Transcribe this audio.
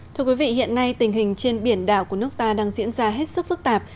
thưa quý vị hiện nay tình hình trên biển đảo của nước ta đang diễn ra hết sức phức tạp